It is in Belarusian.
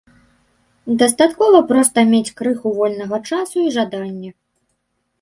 Дастаткова проста мець крыху вольнага часу і жаданне.